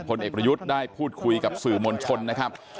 ผลเอกประยุทธ์ได้พูดคุยกับสื่อมวลชนนะครับ